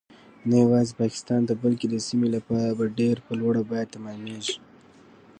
نه یوازې پاکستان ته بلکې د سیمې لپاره به ډیر په لوړه بیه تمامیږي